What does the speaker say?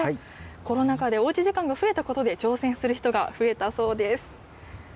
コロナ禍でおうち時間が増えたことで、挑戦する人が増えたそうです。